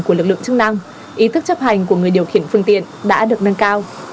của lực lượng chức năng ý thức chấp hành của người điều khiển phương tiện đã được nâng cao